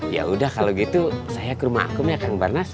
ya udah kalau gitu saya ke rumah akum ya kang bar nas